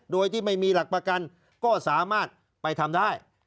โดยที่ไม่มีหลักประกันก็สามารถไปทำได้